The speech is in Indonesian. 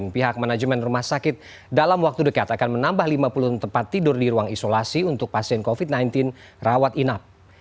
pihak manajemen rumah sakit dalam waktu dekat akan menambah lima puluh tempat tidur di ruang isolasi untuk pasien covid sembilan belas rawat inap